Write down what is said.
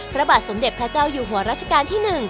พระบาทสมเด็จพระเจ้าอยู่หัวรัชกาลที่๑